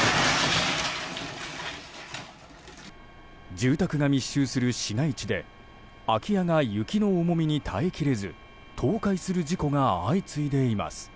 住宅が密集する市街地で空き家が雪の重みに耐えきれず倒壊する事故が相次いでいます。